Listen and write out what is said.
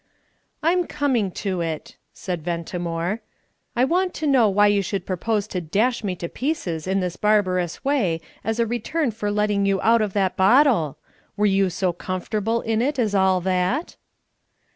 "I'm coming to it," said Ventimore; "I want to know why you should propose to dash me to pieces in this barbarous way as a return for letting you out of that bottle. Were you so comfortable in it as all that?"